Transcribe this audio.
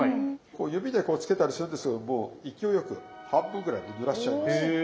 指でこうつけたりするんですけども勢いよく半分ぐらいぬらしちゃいます。